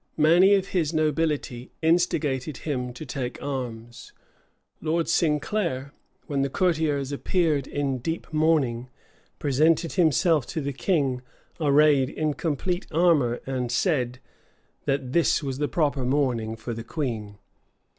Many of his nobility instigated him to take arms: Lord Sinclair, when the courtiers appeared in deep mourning, presented himself to the king arrayed in complete armor and said, that this was the proper mourning for the queen.